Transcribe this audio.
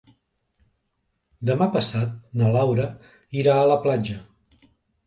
Demà passat na Laura irà a la platja.